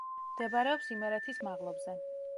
მდებარეობს იმერეთის მაღლობზე.